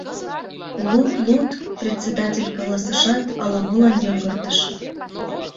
— Луд, луд, — председатель каласышат, ала-молан йыҥгыртыш.